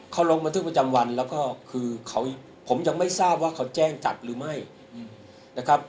เขาลงบนทุกประจำวันหรือเขาแจ้งความจับเลยครับ